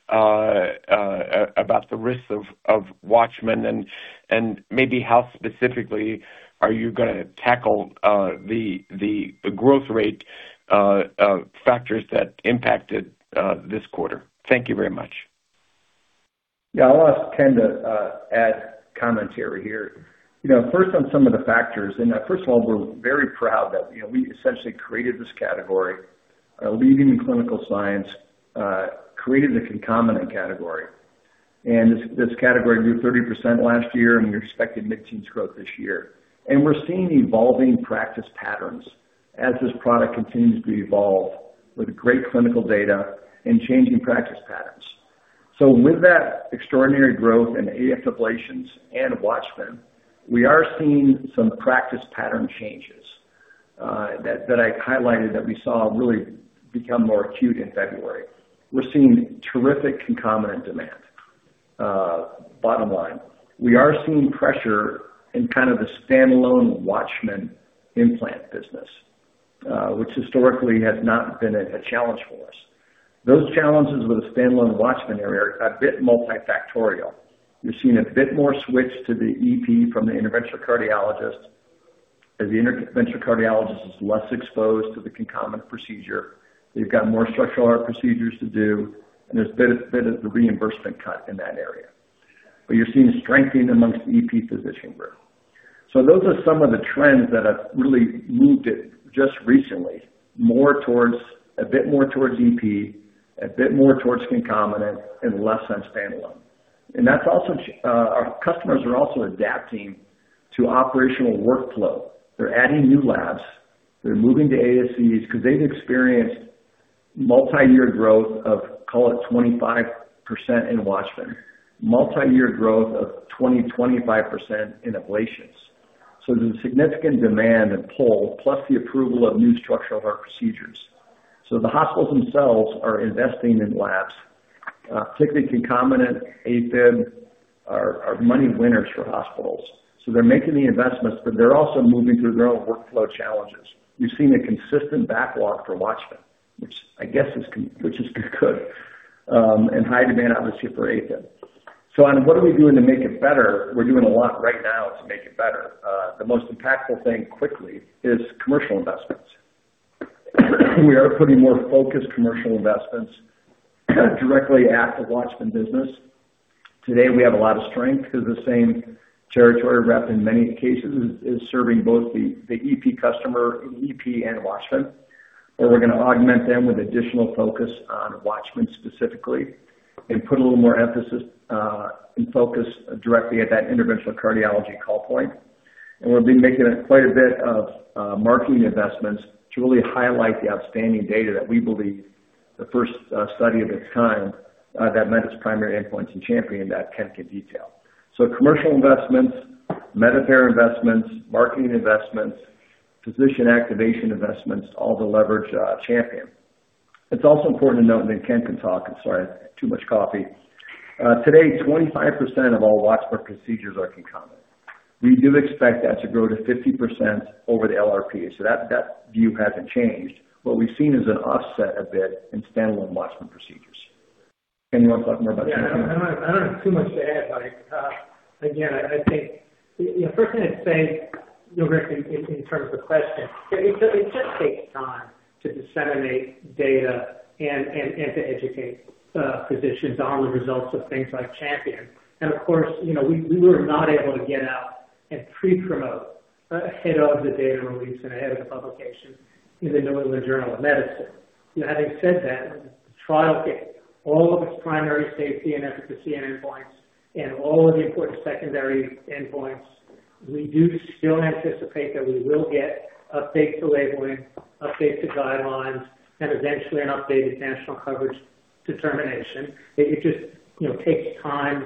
about the risks of Watchman? And maybe how specifically are you going to tackle the growth rate factors that impacted this quarter? Thank you very much. Yeah. I'll ask Ken to add commentary here. First on some of the factors, and first of all, we're very proud that we essentially created this category, leading in clinical science, created the concomitant category. This category grew 30% last year, and we expected mid-teens growth this year. We're seeing evolving practice patterns as this product continues to evolve with great clinical data and changing practice patterns. With that extraordinary growth in AF ablations and WATCHMAN, we are seeing some practice pattern changes that I highlighted that we saw really become more acute in February. We're seeing terrific concomitant demand. Bottom line, we are seeing pressure in kind of the standalone WATCHMAN implant business, which historically has not been a challenge for us. Those challenges with the standalone WATCHMAN area are a bit multifactorial. You're seeing a bit more switch to the EP from the interventional cardiologist, as the interventional cardiologist is less exposed to the concomitant procedure. They've got more structural heart procedures to do, and there's been a reimbursement cut in that area. You're seeing strengthening amongst the EP physician group. Those are some of the trends that have really moved it just recently, a bit more towards EP, a bit more towards concomitant, and less on standalone. Our customers are also adapting to operational workflow. They're adding new labs. They're moving to ASCs because they've experienced multi-year growth of, call it, 25% in WATCHMAN. Multi-year growth of 20%, 25% in ablations. There's a significant demand and pull, plus the approval of new structural heart procedures. The hospitals themselves are investing in labs. Particularly concomitant AFib are money winners for hospitals. They're making the investments, but they're also moving through their own workflow challenges. We've seen a consistent backlog for WATCHMAN, which I guess is good. High demand, obviously, for AFib. On what are we doing to make it better, we're doing a lot right now to make it better. The most impactful thing quickly is commercial investments. We are putting more focused commercial investments directly at the WATCHMAN business. Today, we have a lot of strength because the same territory rep in many cases is serving both the EP customer, EP and WATCHMAN. We're going to augment them with additional focus on WATCHMAN specifically and put a little more emphasis and focus directly at that interventional cardiology call point. We'll be making quite a bit of marketing investments to really highlight the outstanding data that we believe the first study of its kind that met its primary endpoints in CHAMPION-AF, that Ken can detail. Commercial investments, Medicare investments, marketing investments, physician activation investments, all to leverage CHAMPION-AF. It's also important to note, and then Ken can talk. I'm sorry. Too much coffee. Today, 25% of all WATCHMAN procedures are concomitant. We do expect that to grow to 50% over the LRP. That view hasn't changed. What we've seen is an offset a bit in standalone WATCHMAN procedures. Ken, you want to talk more about that? Yeah, I don't have too much to add, Mike. Again, I think the first thing I'd say, Rick, in terms of the question, it just takes time to disseminate data and to educate physicians on the results of things like CHAMPION-AF. Of course, we were not able to get out and pre-promote ahead of the data release and ahead of the publication in the New England Journal of Medicine. Having said that, the trial hit all of its primary safety and efficacy endpoints and all of the important secondary endpoints. We do still anticipate that we will get updates to labeling, updates to guidelines, and eventually an updated national coverage determination. It just takes time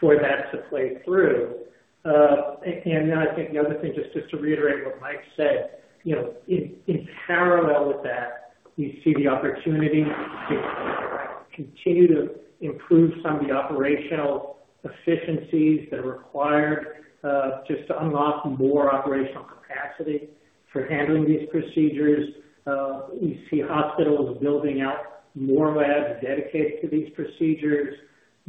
for that to play through. Then I think the other thing, just to reiterate what Mike said, in parallel with that, we see the opportunity to continue to improve some of the operational efficiencies that are required to unlock more operational capacity for handling these procedures. We see hospitals building out more labs dedicated to these procedures.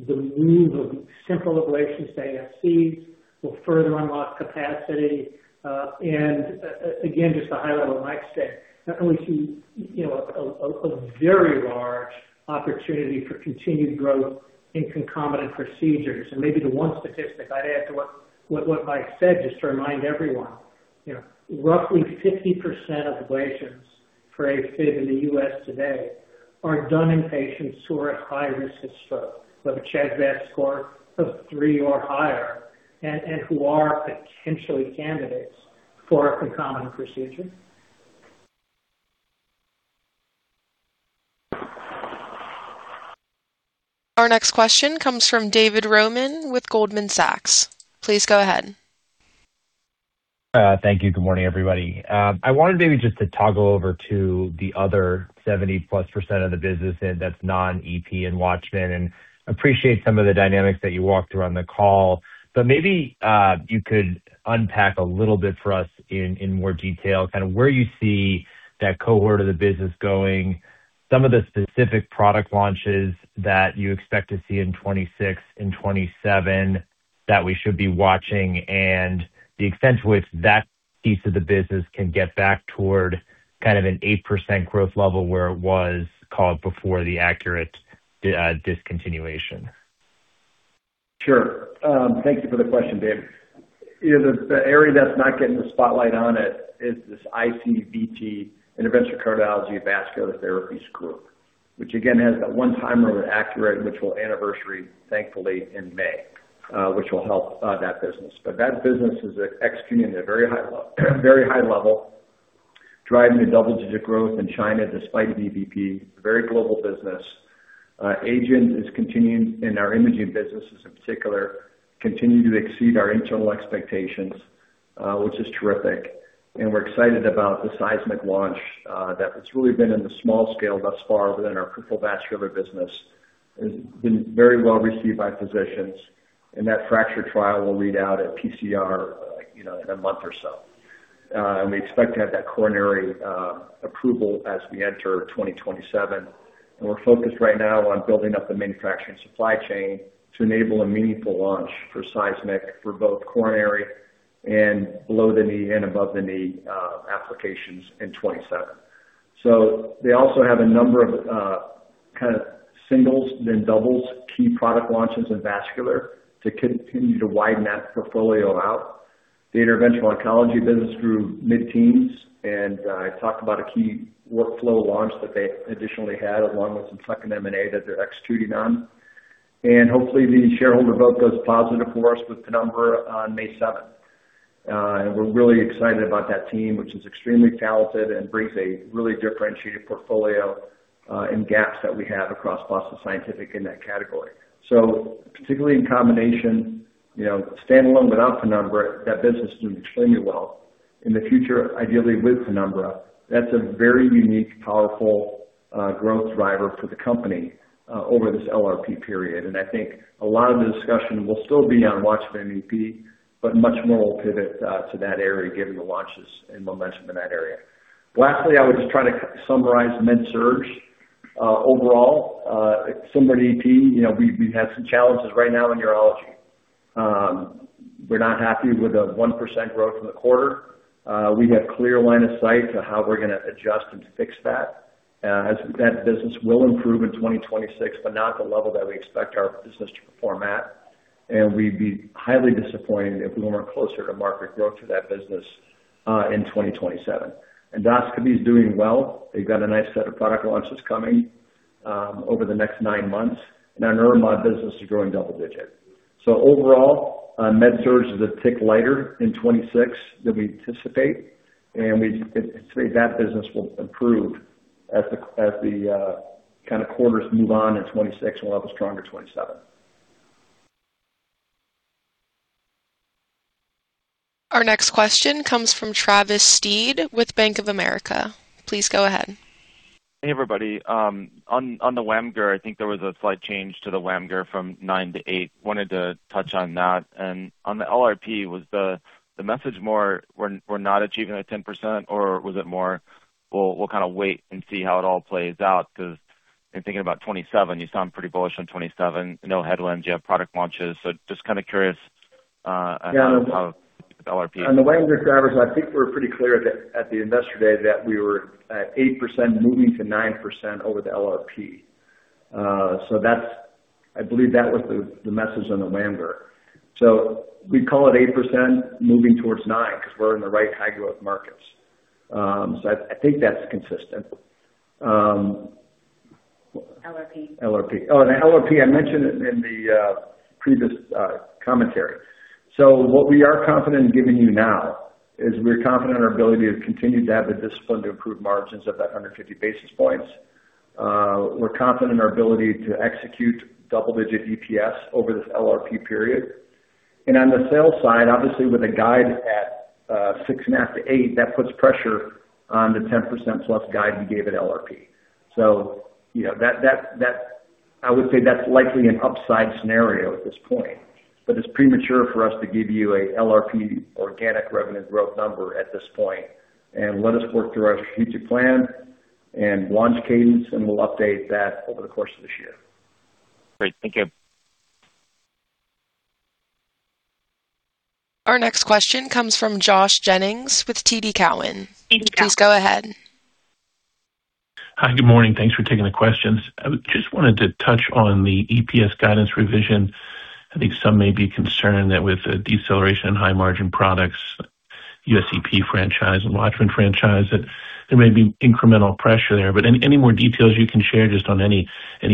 The move of simple ablations to ASCs will further unlock capacity. Again, just to highlight what Mike said, we see a very large opportunity for continued growth in concomitant procedures. Maybe the one statistic I'd add to what Mike said, just to remind everyone, roughly 50% of ablations for AFib in the U.S. today are done in patients who are at high risk of stroke, who have a CHA2DS2-VASc score of three or higher, and who are potentially candidates for a concomitant procedure. Our next question comes from David Roman with Goldman Sachs. Please go ahead. Thank you. Good morning, everybody. I wanted maybe just to toggle over to the other 70%+ of the business that's non-EP and WATCHMAN, and appreciate some of the dynamics that you walked through on the call. Maybe you could unpack a little bit for us in more detail kind of where you see that cohort of the business going, some of the specific product launches that you expect to see in 2026 and 2027 that we should be watching, and the extent to which that piece of the business can get back toward kind of an 8% growth level where it was, call it, before the ACURATE discontinuation. Sure. Thank you for the question, Dave. The area that's not getting the spotlight on it is this ICVT, Interventional Cardiology and Vascular Therapies group, which again, has that one-time rule with ACURATE, which will anniversary, thankfully, in May, which will help that business. That business is executing at a very high level, driving the double-digit growth in China despite VBP. Very global business. AGENT is continuing, and our imaging businesses in particular, continue to exceed our internal expectations, which is terrific. We're excited about the SEISMIQ launch that it's really been in the small scale thus far within our approval vascular business, and been very well received by physicians. That FRACTURE trial will read out at PCR in a month or so. We expect to have that coronary approval as we enter 2027. We're focused right now on building up the manufacturing supply chain to enable a meaningful launch for SEISMIQ for both coronary and below the knee and above the knee applications in 2027. They also have a number of kind of singles, then doubles key product launches in vascular to continue to widen that portfolio out. The interventional oncology business grew mid-teens%, and I talked about a key workflow launch that they additionally had, along with some second M&A that they're executing on. Hopefully the shareholder vote goes positive for us with Penumbra on May 7th. We're really excited about that team, which is extremely talented and brings a really differentiated portfolio in gaps that we have across Boston Scientific in that category. Particularly in combination, standalone without Penumbra, that business is doing extremely well. In the future, ideally with Penumbra, that's a very unique, powerful growth driver for the company over this LRP period. I think a lot of the discussion will still be on WATCHMAN, but much more will pivot to that area given the launches and momentum in that area. Lastly, I would just try to summarize MedSurg. Overall, similar to EP, we've had some challenges right now in urology. We're not happy with the 1% growth in the quarter. We have clear line of sight to how we're going to adjust and fix that, as that business will improve in 2026, but not at the level that we expect our business to perform at. We'd be highly disappointed if we weren't closer to market growth for that business in 2027. Endoscopy is doing well. They've got a nice set of product launches coming over the next nine months. Our Neuromod business is growing double digit. Overall, MedSurg is a tick lighter in 2026 than we anticipate, and we'd say that business will improve as the quarters move on in 2026, and we'll have a stronger 2027. Our next question comes from Travis Steed with Bank of America. Please go ahead. Hey, everybody. On the WAMGR, I think there was a slight change to the WAMGR from 9% to 8%. Wanted to touch on that. On the LRP, was the message more, we're not achieving that 10%, or was it more, we'll kind of wait and see how it all plays out? Because in thinking about 2027, you sound pretty bullish on 2027. No headwinds, you have product launches. Just kind of curious how LRP- On the WAMGR, Travis, I think we're pretty clear at the Investor Day that we were at 8% moving to 9% over the LRP. I believe that was the message on the WAMGR. We call it 8% moving towards 9%, because we're in the right high growth markets. I think that's consistent. LRP. LRP. Oh, the LRP, I mentioned it in the previous commentary. What we are confident in giving you now is we're confident in our ability to continue to have the discipline to improve margins of that 150 basis points. We're confident in our ability to execute double-digit EPS over this LRP period. On the sales side, obviously with a guide at 6.5%-8%, that puts pressure on the 10%+ guide we gave at LRP. I would say that's likely an upside scenario at this point, but it's premature for us to give you a LRP organic revenue growth number at this point. Let us work through our strategic plan and launch cadence, and we'll update that over the course of this year. Great. Thank you. Our next question comes from Josh Jennings with TD Cowen. Please go ahead. Hi, good morning. Thanks for taking the questions. I just wanted to touch on the EPS guidance revision. I think some may be concerned that with the deceleration in high margin products, USEP franchise and WATCHMAN franchise, that there may be incremental pressure there. Any more details you can share just on any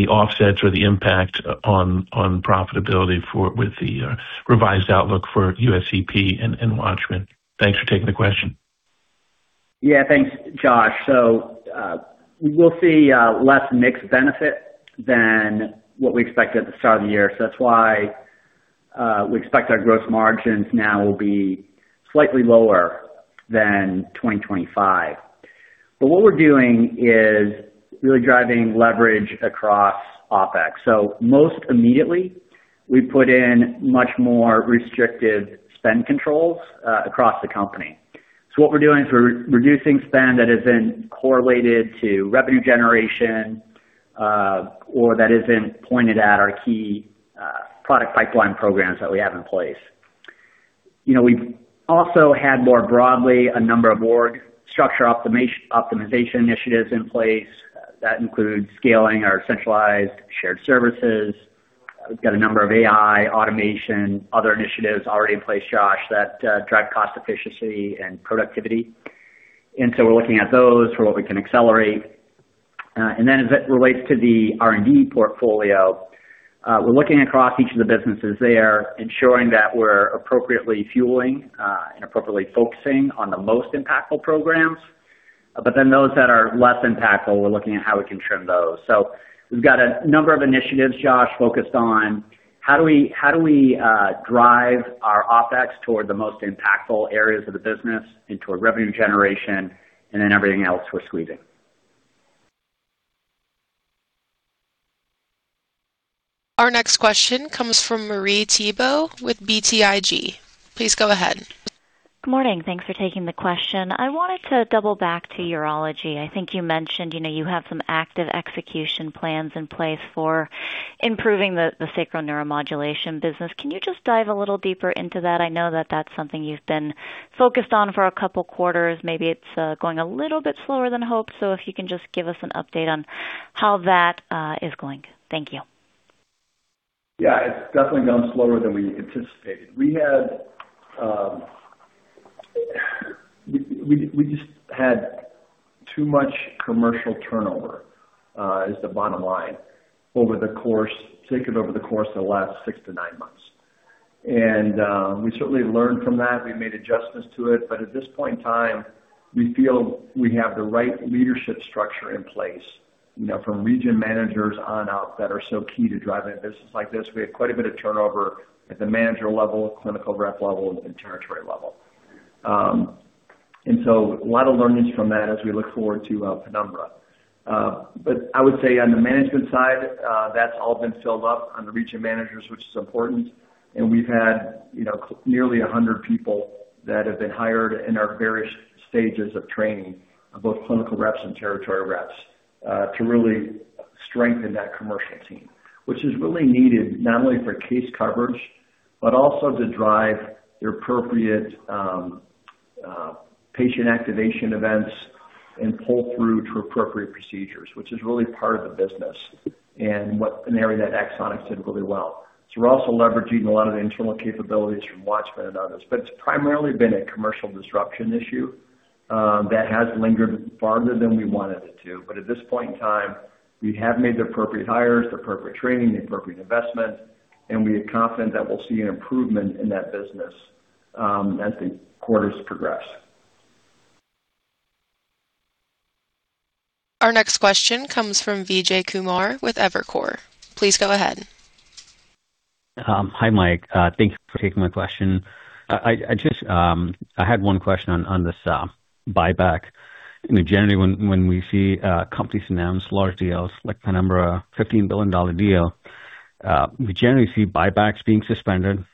offsets or the impact on profitability with the revised outlook for USEP and WATCHMAN? Thanks for taking the question. Yeah. Thanks, Josh. We will see less mixed benefit than what we expected at the start of the year. That's why we expect our gross margins now will be slightly lower than 2025. What we're doing is really driving leverage across OpEx. Most immediately, we put in much more restrictive spend controls across the company. What we're doing is we're reducing spend that isn't correlated to revenue generation or that isn't pointed at our key product pipeline programs that we have in place. We've also had, more broadly, a number of org structure optimization initiatives in place. That includes scaling our centralized shared services. We've got a number of AI, automation, other initiatives already in place, Josh, that drive cost efficiency and productivity. We're looking at those for what we can accelerate. As it relates to the R&D portfolio, we're looking across each of the businesses there, ensuring that we're appropriately fueling and appropriately focusing on the most impactful programs. Those that are less impactful, we're looking at how we can trim those. We've got a number of initiatives, Josh, focused on how do we drive our OpEx toward the most impactful areas of the business and toward revenue generation, and then everything else we're squeezing. Our next question comes from Marie Thibault with BTIG. Please go ahead. Good morning. Thanks for taking the question. I wanted to double back to urology. I think you mentioned you have some active execution plans in place for improving the sacral neuromodulation business. Can you just dive a little deeper into that? I know that that's something you've been focused on for a couple quarters. Maybe it's going a little bit slower than hoped. If you can just give us an update on how that is going. Thank you. Yeah, it's definitely gone slower than we anticipated. We just had too much commercial turnover, is the bottom line, taken over the course of the last six to nine months. We certainly learned from that. We made adjustments to it. At this point in time, we feel we have the right leadership structure in place, from region managers on up, that are so key to driving a business like this. We had quite a bit of turnover at the manager level, clinical rep level, and territory level. A lot of learnings from that as we look forward to Penumbra. I would say on the management side, that's all been filled up on the region managers, which is important, and we've had nearly 100 people that have been hired and are at various stages of training, both clinical reps and territory reps, to really strengthen that commercial team, which is really needed, not only for case coverage, but also to drive the appropriate patient activation events and pull-through to appropriate procedures, which is really part of the business, and an area that Axonics did really well. We're also leveraging a lot of the internal capabilities from WATCHMAN on this. It's primarily been a commercial disruption issue that has lingered farther than we wanted it to. At this point in time, we have made the appropriate hires, the appropriate training, the appropriate investment, and we are confident that we'll see an improvement in that business as the quarters progress. Our next question comes from Vijay Kumar with Evercore. Please go ahead. Hi, Mike. Thank you for taking my question. I had one question on this buyback. Generally, when we see companies announce large deals like Penumbra, a $15 billion deal, we generally see buybacks being suspended.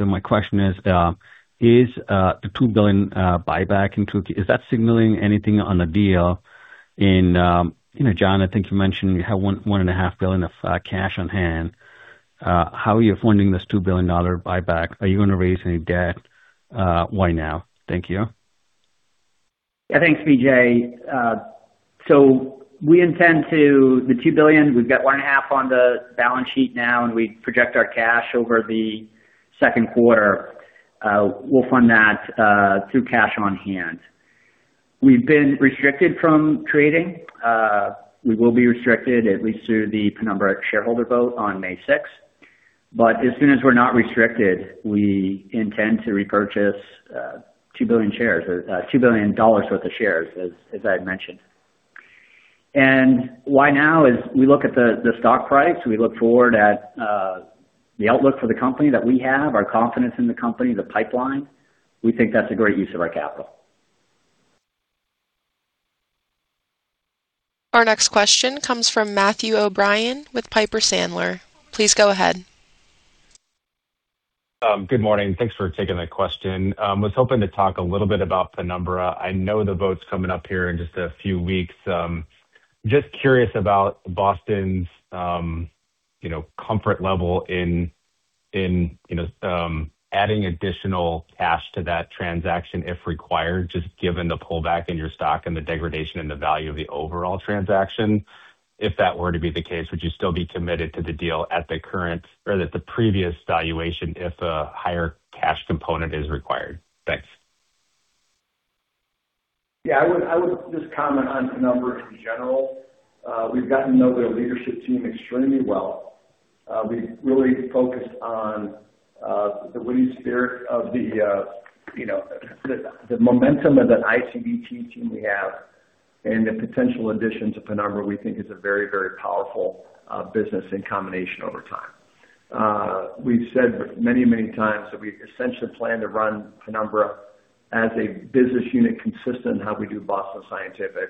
My question is, the $2 billion buyback in 2Q, is that signaling anything on the deal? Jon, I think you mentioned you have $1.5 billion of cash on hand. How are you funding this $2 billion buyback? Are you going to raise any debt? Why now? Thank you. Yeah. Thanks, Vijay. The $2 billion, we've got one half on the balance sheet now, and we project our cash over the second quarter. We'll fund that through cash on hand. We've been restricted from trading. We will be restricted at least through the Penumbra shareholder vote on May 6th. As soon as we're not restricted, we intend to repurchase $2 billion worth of shares, as I had mentioned. Why now is, we look at the stock price, we look forward at the outlook for the company that we have, our confidence in the company, the pipeline. We think that's a great use of our capital. Our next question comes from Matthew O'Brien with Piper Sandler. Please go ahead. Good morning. Thanks for taking my question. I was hoping to talk a little bit about Penumbra. I know the vote's coming up here in just a few weeks. Just curious about Boston's comfort level in adding additional cash to that transaction if required, just given the pullback in your stock and the degradation in the value of the overall transaction. If that were to be the case, would you still be committed to the deal at the previous valuation, if a higher cash component is required? Thanks. Yeah, I would just comment on Penumbra in general. We've gotten to know their leadership team extremely well. We've really focused on the winning spirit of the momentum of the ICVT team we have, and the potential addition to Penumbra, we think is a very, very powerful business in combination over time. We've said many, many times that we essentially plan to run Penumbra as a business unit consistent in how we do Boston Scientific.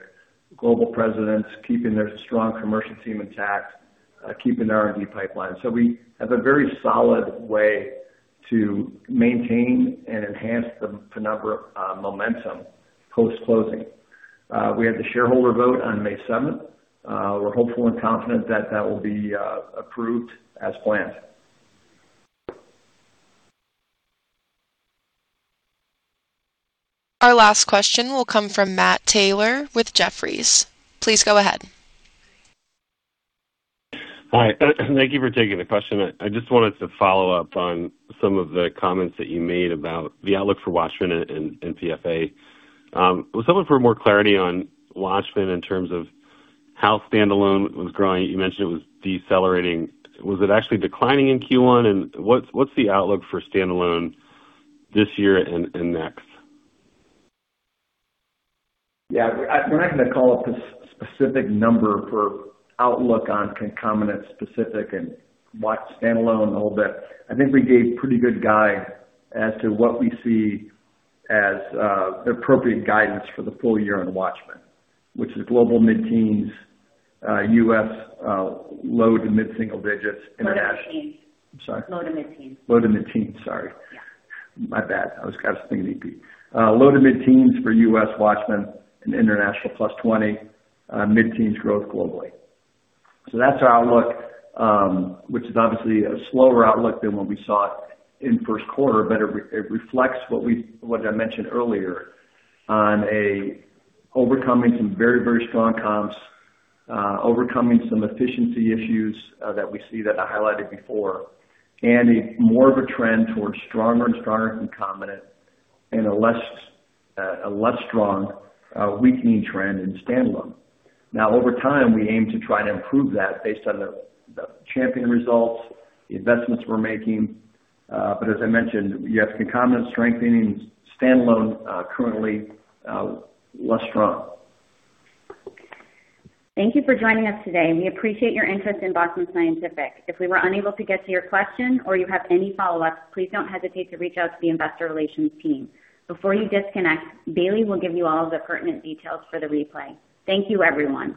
Global presidents, keeping their strong commercial team intact, keeping the R&D pipeline. We have a very solid way to maintain and enhance the Penumbra momentum post-closing. We have the shareholder vote on May 7th. We're hopeful and confident that that will be approved as planned. Our last question will come from Matt Taylor with Jefferies. Please go ahead. Hi. Thank you for taking the question. I just wanted to follow up on some of the comments that you made about the outlook for WATCHMAN and PFA. Was hoping for more clarity on WATCHMAN in terms of how standalone was growing. You mentioned it was decelerating. Was it actually declining in Q1? And what's the outlook for standalone this year and next? Yeah. We're not going to call out a specific number for outlook on concomitant, specific and standalone a little bit. I think we gave pretty good guidance as to what we see as appropriate guidance for the full year on WATCHMAN, which is global mid-teens%, U.S. low- to mid-single digits, international- Low- to mid-teens. I'm sorry? Low to mid-teens. Low to mid-teens. Sorry. Yeah. My bad. I was kind of thinking EP. Low- to mid-teens% for U.S. WATCHMAN, and international +20%. Mid-teens growth globally. That's our outlook, which is obviously a slower outlook than what we saw in first quarter, but it reflects what I mentioned earlier on overcoming some very, very strong comps, overcoming some efficiency issues that we see that I highlighted before, and more of a trend towards stronger and stronger concomitant and a less strong weakening trend in standalone. Now, over time, we aim to try and improve that based on the CHAMPION-AF results, the investments we're making. As I mentioned, you have concomitant strengthening, standalone currently less strong. Thank you for joining us today, and we appreciate your interest in Boston Scientific. If we were unable to get to your question or you have any follow-ups, please don't hesitate to reach out to the investor relations team. Before you disconnect, Bailey will give you all of the pertinent details for the replay. Thank you, everyone.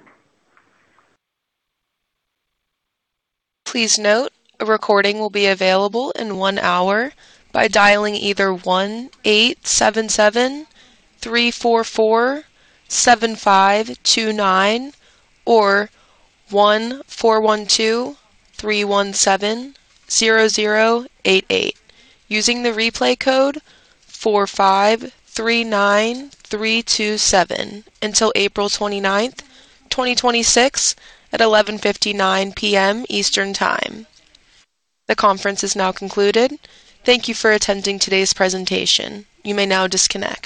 Please note a recording will be available in 1 hour by dialing either 1-877-344-7529 or 1-412-317-0088, using the replay code 4539327 until April 29th, 2026 at 11:59 P.M. Eastern Time. The conference is now concluded. Thank you for attending today's presentation. You may now disconnect.